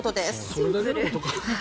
それだけのことか。